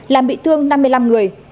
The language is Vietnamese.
làm bị thương năm mươi năm người